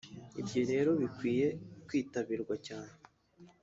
ibyo rero bikwiye kwitabirwa cyane”